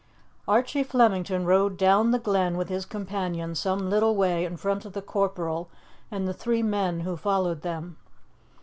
Archie Flemington rode down the Glen with his companion some little way in front of the corporal and the three men who followed them.